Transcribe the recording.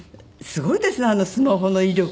すごいですね。